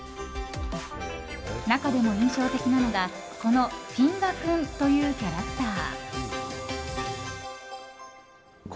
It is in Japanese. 中でも印象的なのがこのＦｉＮＧＡくんというキャラクター。